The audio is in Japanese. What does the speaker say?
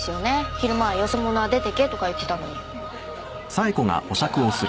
昼間はよそ者は出てけとか言ってたのに。